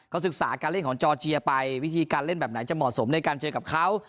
ศึกษาการเล่นของจอร์เจียไปวิธีการเล่นแบบไหนจะเหมาะสมในการเจอกับเขา